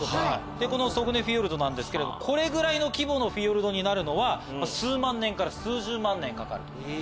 このソグネフィヨルドですけどこれぐらいの規模のフィヨルドになるのは数万年から数十万年かかると。